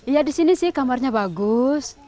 ya di sini sih kamarnya bagus